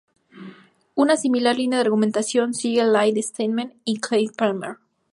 Una similar línea de argumentación siguen Lyle Steadman y Craig Palmer.